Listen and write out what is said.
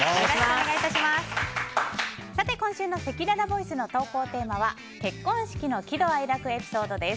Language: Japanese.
今週のせきららボイスの投稿テーマは結婚式の喜怒哀楽エピソードです。